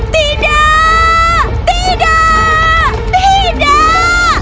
tidak tidak tidak